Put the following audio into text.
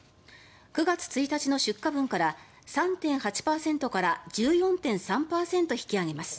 ９月１日の出荷分から３．８％から１４．３％引き上げます。